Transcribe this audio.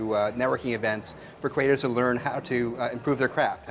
kami melakukan acara berkomunikasi untuk kreator belajar cara memperbaiki karya mereka